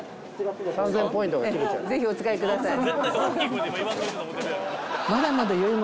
ぜひお使いください。